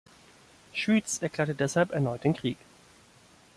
Schwyz erklärte deshalb erneut den Krieg.